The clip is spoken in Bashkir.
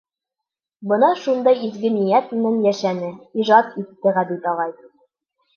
Бына шундай изге ниәт менән йәшәне, ижад итте Ғәбит ағай.